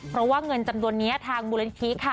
เพราะว่าเงินจำนวนนี้ทางบุรณฐีค่ะ